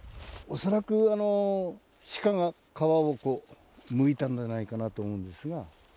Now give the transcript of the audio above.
恐らくシカが皮をむいたんじゃないかなと思うんですが。